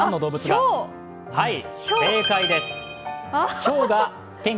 はい、正解です。